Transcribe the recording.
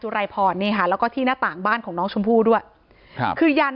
รายพรนี่ค่ะแล้วก็ที่หน้าต่างบ้านของน้องชมพู่ด้วยครับคือยาน